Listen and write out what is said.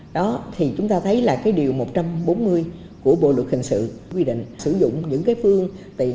đó thì chúng ta thấy là cái điều một trăm bốn mươi của bộ luật hình sự quy định sử dụng những cái phương tiện